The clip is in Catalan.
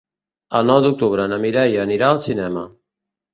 El nou d'octubre na Mireia anirà al cinema.